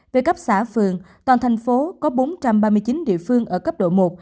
về cấp xã phường toàn thành phố có bốn trăm ba mươi chín địa phương ở cấp độ một